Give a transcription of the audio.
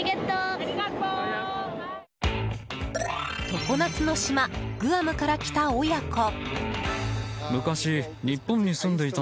常夏の島グアムから来た親子。